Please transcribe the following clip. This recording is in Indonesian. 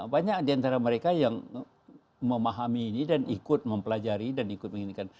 banyak diantara mereka yang memahami ini dan ikut mempelajari dan ikut menginginkan